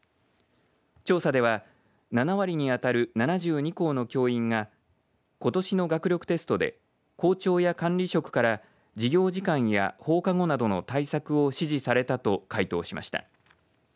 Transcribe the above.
調査では７割にあたる７２校の教員がことしの学力テストで校長や管理職から授業時間や放課後などの対策を指示されたと回答しました。